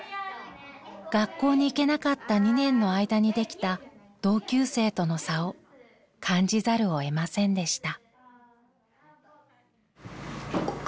学校に行けなかった２年の間にできた同級生との差を感じざるを得ませんでした。